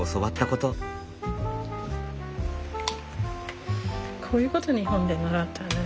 こういうこと日本で習ったよね。